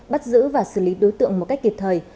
bắt giữ và xử lý đối tượng một cách kịp thời